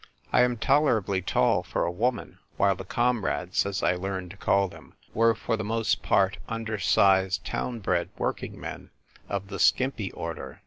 I am tolerably tall for a woman, while the comrades, as I learned to call them, were for the most part under sized town bred working men, of the skimpy order.